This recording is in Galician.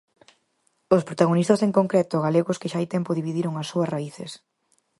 Os protagonistas en concreto, galegos que xa hai tempo dividiron as súas raíces.